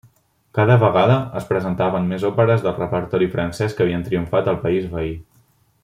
Cada vegada es presentaven més òperes del repertori francès que havien triomfat al país veí.